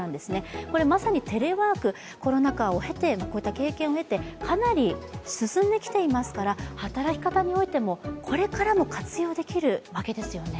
まさにテレワーク、コロナ禍の経験を経てかなり進んできていますから働き方においてもこれからも活用できるわけですよね。